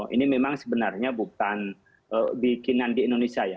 ini memang sebenarnya bukan bikinan di indonesia ya